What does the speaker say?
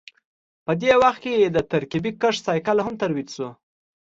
په دې وخت کې د ترکیبي کښت سایکل هم ترویج شو